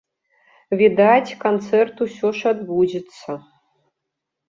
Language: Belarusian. Відаць, канцэрт усё ж адбудзецца.